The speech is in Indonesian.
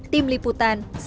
tim liputan cnn indonesia